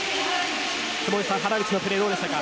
坪井さん、原口のプレーいかがでしたか。